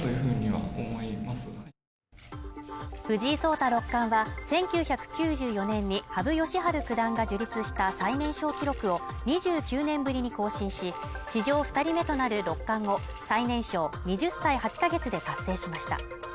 藤井聡太六冠は１９９４年に羽生善治九段が樹立した最年少記録を２９年ぶりに更新し、史上２人目となる六冠を最年少２０歳８ヶ月で達成しました。